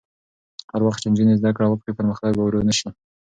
هر وخت چې نجونې زده کړه وکړي، پرمختګ به ورو نه شي.